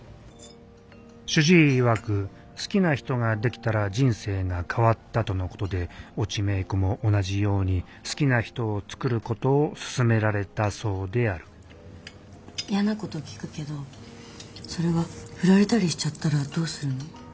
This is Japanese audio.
主治医いわく好きな人ができたら人生が変わったとのことで越智芽衣子も同じように好きな人をつくることを勧められたそうであるやなこと聞くけどそれは振られたりしちゃったらどうするの？